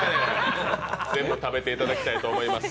全部食べていただきたいと思います。